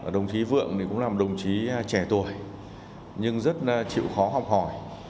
đồng chí vượng cũng là một đồng chí trẻ tuổi nhưng rất chịu khó học hỏi